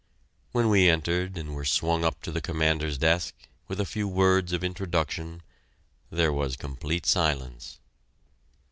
When we entered and were swung up to the Commander's desk, with a few words of introduction, there was complete silence.